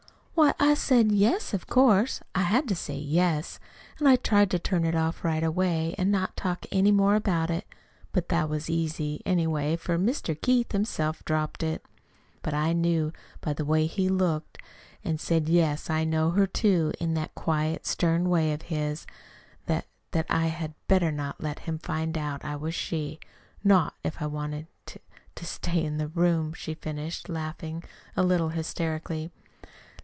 "Why, I said yes, of course. I had to say yes. And I tried to turn it off right away, and not talk any more about it. But that was easy, anyway, for for Mr. Keith himself dropped it. But I knew, by the way he looked, and said 'yes, I know her, too,' in that quiet, stern way of his, that that I'd better not let him find out I was she not if I wanted to to stay in the room," she finished, laughing a little hysterically.